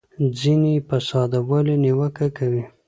ځینې یې په ساده والي نیوکه کوي.